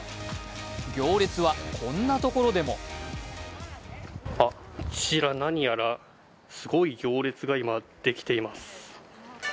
行列はこんなところでもあちら、何やらすごい行列が今できています。